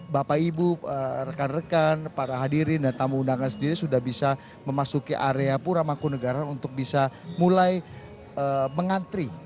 bapak ibu rekan rekan para hadirin dan tamu undangan sendiri sudah bisa memasuki area pura mangkunegara untuk bisa mulai mengantri